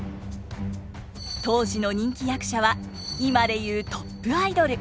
当時の人気役者は今で言うトップアイドル。